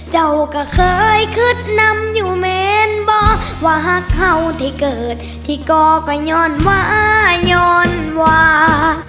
เจ้าก็เคยคิดนำอยู่เมนบ่ว่าหักเขาที่เกิดที่ก่อก็ย้อนวาย้อนวา